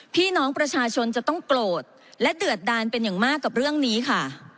พี่น้องประชาชนจะต้องโกรธและเดือดดานเป็นอย่างมากกับเรื่องนี้ค่ะ